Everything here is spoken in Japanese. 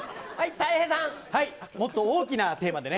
もっと大きなテーマでね。